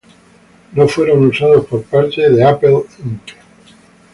No fueron usados por parte Apple Inc.